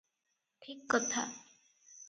ଠିକ କଥା ।